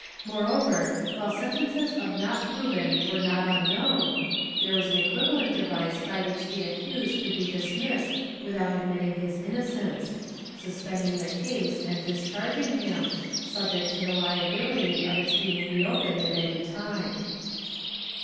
Moreover, while sentences of not proven were not unknown, there was an equivalent device by which the accused could be dismissed without admitting his innocence — suspending the case and discharging him, subject to the liability of its being reopened at any time.